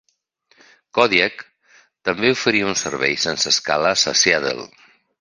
Kodiak també oferia un servei sense escales a Seattle.